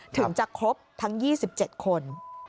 ถึงจะครบทั้ง๒๗คน